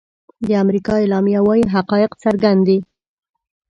د امریکا اعلامیه وايي حقایق څرګند دي.